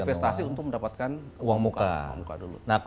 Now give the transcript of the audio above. investasi untuk mendapatkan uang muka dulu